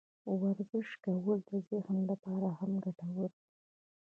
ورزش کول د ذهن لپاره هم ګټور دي.